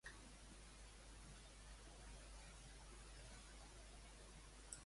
La Bressola, la Comunitat Sikh i Softcatalà.